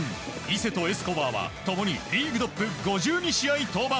伊勢とエスコバーは共にリーグトップ５２試合登板。